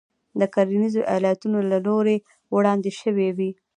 د کرنیزو ایالتونو له لوري وړاندې شوې وې.